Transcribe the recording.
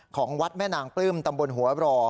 ของวัดแม่นางปลื้มตำบลหัวรอ